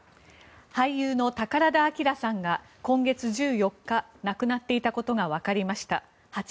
俳優の宝田明さんが今月１４日亡くなっていたことがわかりました。